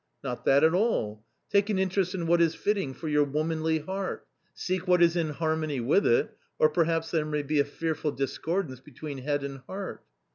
" Not that at all : take an interest in what is fitting for your womanly heart; seek what is in harmony with it, or perhaps there may be a fearful discordance between head and heart."